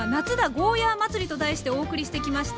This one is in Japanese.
ゴーヤー祭り」と題してお送りしてきました。